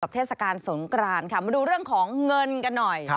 เทศกาลสงกรานค่ะมาดูเรื่องของเงินกันหน่อย